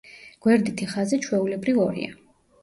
გვერდითი ხაზი ჩვეულებრივ ორია.